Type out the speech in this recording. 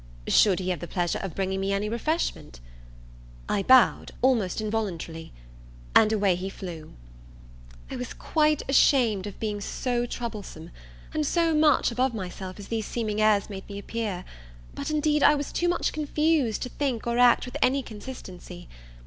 Should he have the pleasure of bringing me any refreshment? I bowed, almost involuntarily. And away he flew. I was quite ashamed of being so troublesome, and so much above myself as these seeming airs made me appear; but indeed I was too much confused to think or act with any consistency.